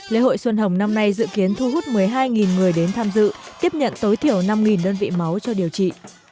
lễ hội xuân hồng năm nay dự kiến thu hút một mươi hai người đến tham dự tiếp nhận tối thiểu năm đơn vị máu cho điều trị